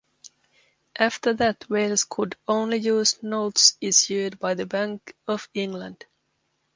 After that Wales could only use notes issued by the Bank of England.